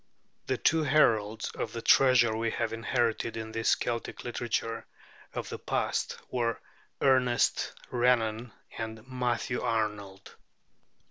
The two heralds of the treasure we have inherited in this Celtic literature of the past were Ernest Renan and Matthew Arnold.